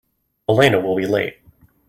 Elena will be late.